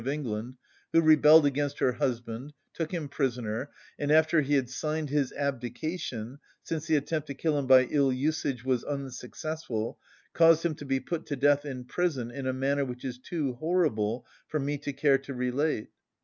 of England, who rebelled against her husband, took him prisoner, and after he had signed his abdication, since the attempt to kill him by ill‐usage was unsuccessful, caused him to be put to death in prison in a manner which is too horrible for me to care to relate.